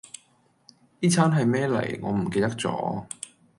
A 餐係咩嚟我唔記得咗